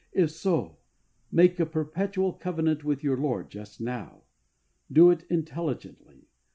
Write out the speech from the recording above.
If so, make a perpetual covenant with your I.ord just now. Do it intelligently.